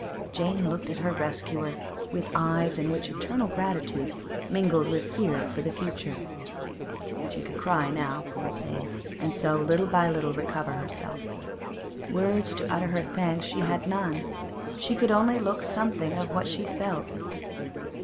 Jane looked at her rescuer with eyes in which eternal gratitude mingled with fear for the future. She could cry now, poor thing, and so little by little recover herself. Words to utter her thanks she had none; she could only look something of what she felt.